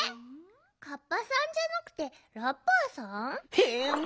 カッパさんじゃなくてラッパーさん？